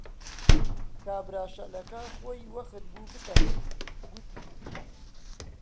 کابرا شەلە کە خۆی وەخت بوو بتەقێ، گوتی: